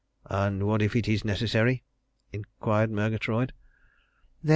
"And what if it is necessary?" inquired Murgatroyd.